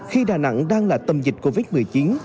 khi đà nẵng đang là tâm dịch covid một mươi chín